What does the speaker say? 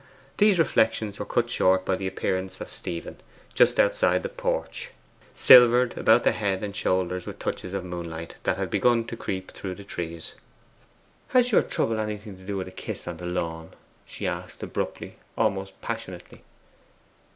These reflections were cut short by the appearance of Stephen just outside the porch, silvered about the head and shoulders with touches of moonlight, that had begun to creep through the trees. 'Has your trouble anything to do with a kiss on the lawn?' she asked abruptly, almost passionately.